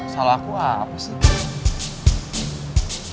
salah aku apa sih